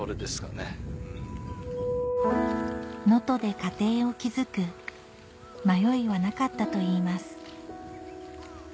能登で家庭を築く迷いはなかったといいます